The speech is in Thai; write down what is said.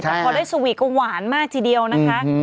แต่พอได้สวีทก็หวานมากทีเดียวนะคะ